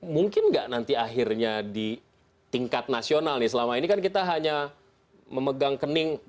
mungkin nggak nanti akhirnya di tingkat nasional nih selama ini kan kita hanya memegang kening